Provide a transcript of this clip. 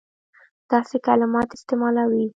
داسي کلمات استعمالوي.